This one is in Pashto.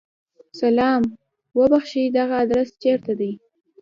سلام! اوبښئ! دغه ادرس چیرته دی؟